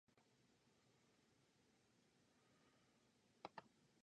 See the section on honorific prefixes, below, for further discussion.